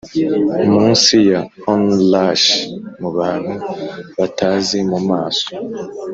munsi ya onrush mu bantu batazi mu maso